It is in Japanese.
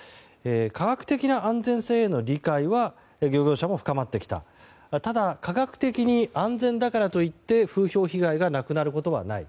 科学的な安全性への理解は漁業者も深まってきた科学的に安全だからといって風評被害がなくなることはない。